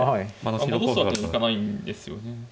戻すわけにはいかないんですよね。